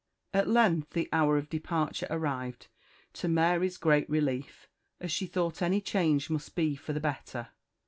At length the hour of departure arrived, to Mary's great relief, as she thought any change must be for the better.